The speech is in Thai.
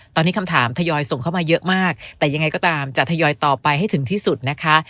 ตอนนี้คำถามทยอยส่งเข้ามาเยอะมากแต่ยังไงก็ตามจะทยอยต่อไปให้ถึงที่สุดนะคะ